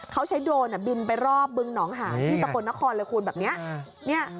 เขาใช้โดรนบินไปรอบบึงหนองหานที่สกลนครเลยคุณแบบนี้